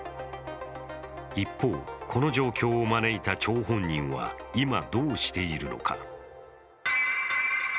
一方、この状況を招いた張本人は今、どうしているのか。